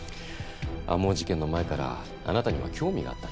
天羽事件の前からあなたには興味があったんですよ。